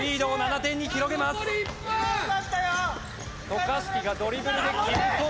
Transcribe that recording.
渡嘉敷がドリブルで切り込んできた。